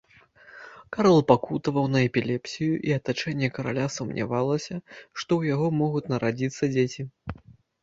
Карл пакутаваў на эпілепсію, і атачэнне караля сумнявалася, што ў яго могуць нарадзіцца дзеці.